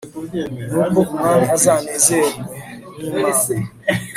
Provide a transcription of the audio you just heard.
nuko umwami azanezezwe n'imana